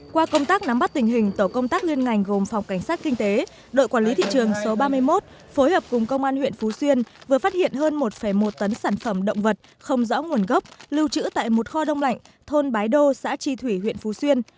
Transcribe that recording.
qua công tác nắm bắt tình hình tổ công tác liên ngành gồm phòng cảnh sát kinh tế đội quản lý thị trường số ba mươi một phối hợp cùng công an huyện phú xuyên vừa phát hiện hơn một một tấn sản phẩm động vật không rõ nguồn gốc lưu trữ tại một kho đông lạnh thôn bái đô xã tri thủy huyện phú xuyên